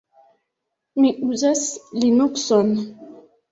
Mi uzas Linukson.